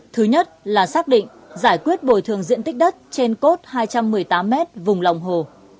thứ nhất là xác định giải quyết bồi thường diện tích đất trên cốt hai trăm một mươi tám mét vùng lòng hồ